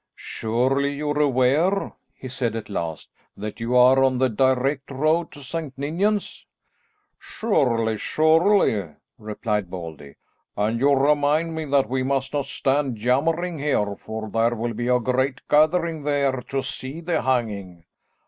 "Surely you are aware," he said at last, "that you are on the direct road to St. Ninians?" "Surely, surely," replied Baldy, "and you remind me, that we must not stand yammering here, for there will be a great gathering there to see the hanging.